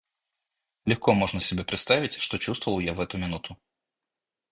Легко можно себе представить, что чувствовал я в эту минуту.